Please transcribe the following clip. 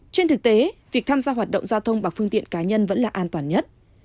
trên thực tế việc tham gia hoạt động giao thông bằng phương tiện cá nhân vẫn là an toàn nhất